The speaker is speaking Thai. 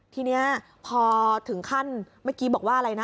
ทีนี้พอถึงขั้นเมื่อกี้บอกว่าอะไรนะ